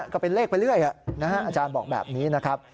ก็เป็นเลขไปเรื่อยอาจารย์บอกแบบนี้นะครับ